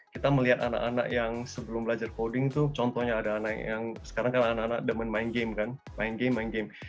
kita melihat anak anak yang sebelum belajar koding contohnya sekarang anak anak demen main game